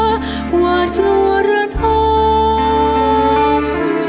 หวาดกลัวเรือนอม